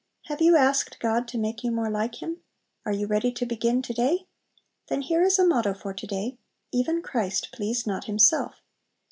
Have you asked God to make you more like Him? Are you ready to begin to day? Then here is a motto for to day, "Even Christ pleased not Himself."